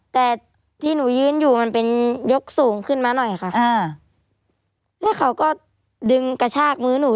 แต่ที่หนูยืนอยู่มันเป็นยกสูงขึ้นมาหน่อยค่ะอ่าแล้วเขาก็ดึงกระชากมือหนู